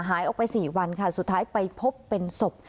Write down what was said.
หายออกไป๔วันค่ะสุดท้ายไปพบเป็นศพ